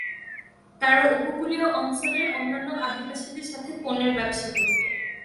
তারা উপকূলীয় অঞ্চলের অন্যান্য আদিবাসীদের সাথে পণ্যের ব্যবসা করত।